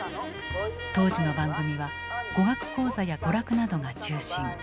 当時の番組は語学講座や娯楽などが中心。